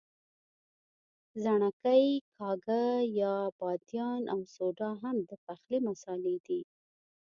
ځڼکۍ، کاږه یا بادیان او سوډا هم د پخلي مسالې دي.